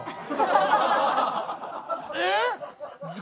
えっ！